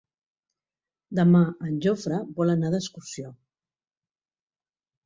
Demà en Jofre vol anar d'excursió.